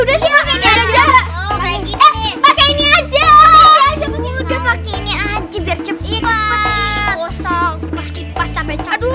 udah sih pakai ini aja pakai ini aja pakai ini aja biar cepet pas kipas sampai